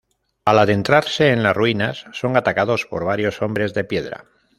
Al adentrarse en las ruinas son atacados por varios hombres de piedra.